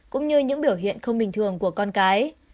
cũng như những biểu hiện không bình thường của con cái